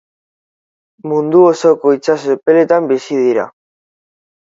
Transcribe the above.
Mundu osoko itsaso epeletan bizi dira.